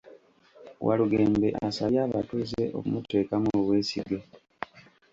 Walugembe asabye abatuuze okumuteekamu obwesige